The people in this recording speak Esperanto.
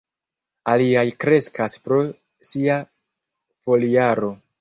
Aliaj kreskas pro sia foliaro.